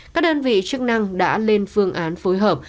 các đơn vị chức năng đã lên phương án phối hợp